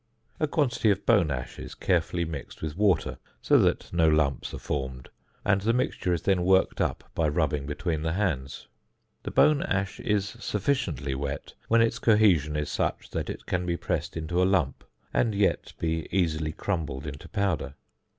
A quantity of bone ash is carefully mixed with water so that no lumps are formed, and the mixture is then worked up by rubbing between the hands. The bone ash is sufficiently wet when its cohesion is such that it can be pressed into a lump, and yet be easily crumbled into powder.